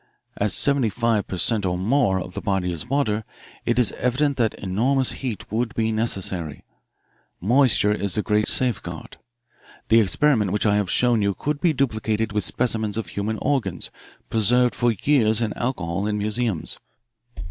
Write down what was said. As seventy five per cent or more of the body is water, it is evident that enormous heat would be necessary moisture is the great safeguard. The experiment which I have shown you could be duplicated with specimens of human organs preserved for years in alcohol in museums.